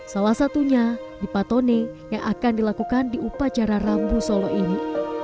salah satunya di patone yang akan dilakukan di upacara rambu solo ini